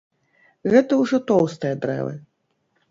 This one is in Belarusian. Гэта ўжо тоўстыя дрэвы.